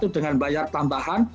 dengan bayar tambahan